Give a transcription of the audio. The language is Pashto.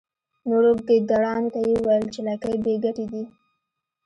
نورو ګیدړانو ته یې وویل چې لکۍ بې ګټې دي.